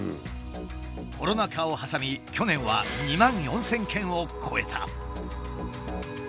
コロナ禍を挟み去年は２万４，０００件を超えた。